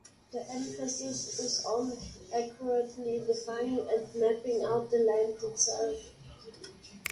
The emphasis is on accurately defining and mapping out the land itself.